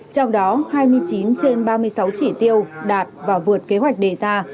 trong đó hai mươi chín trên ba mươi sáu chỉ tiêu đạt và vượt kế hoạch đề ra